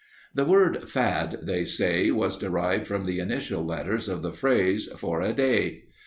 The word "fad," they say, was derived from the initial letters of the phrase "for a day."